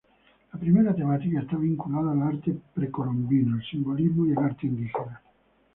La primera temática está vinculada al arte precolombino, el simbolismo y el arte indígena.